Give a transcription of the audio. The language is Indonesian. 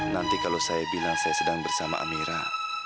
nanti kalau saya bilang saya sedang bersama amira